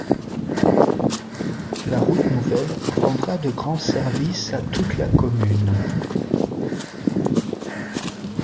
La route nouvelle rendra de grands services à toute la commune...